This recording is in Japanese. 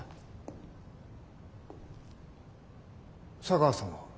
茶川さんは？